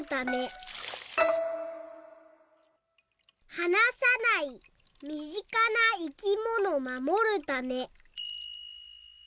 「はなさないみぢかないきものまもるため」。